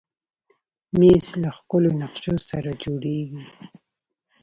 مېز له ښکلو نقشو سره جوړېږي.